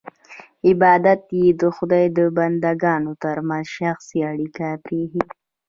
عبادت یې د خدای او بندګانو ترمنځ شخصي اړیکه پرېښی.